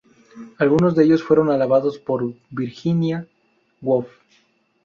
Algunos de ellos fueron alabados por Virginia Woolf.